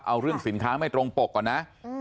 เอาเรื่องสินค้าไม่ตรงปกก่อนนะ